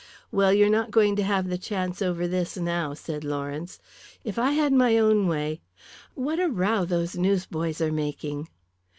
"Well, you're not going to have the chance over this now," said Lawrence. "If I had my own way what a row those newsboys are making!"